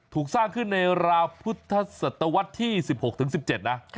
ถูกสร้างขึ้นในราวพุทธศตวรรษที่๑๖ถึง๑๗นะ